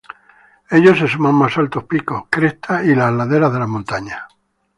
Ellos se suman más altos picos, crestas y las laderas de las montañas.